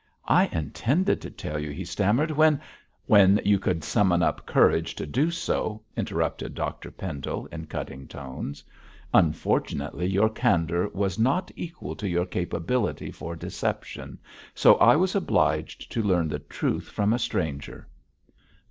'I intended to tell you,' he stammered, 'when ' 'When you could summon up courage to do so,' interrupted Dr Pendle, in cutting tones. 'Unfortunately, your candour was not equal to your capability for deception, so I was obliged to learn the truth from a stranger.'